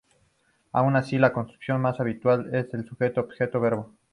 Aun así, la construcción más habitual es la de Sujeto-Objeto-Verbo.